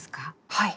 はい。